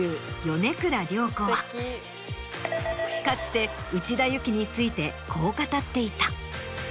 米倉涼子はかつて内田有紀についてこう語っていた。